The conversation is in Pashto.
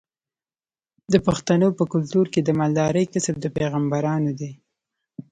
د پښتنو په کلتور کې د مالدارۍ کسب د پیغمبرانو دی.